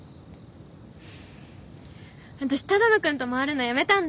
私只野くんと回るのやめたんだ。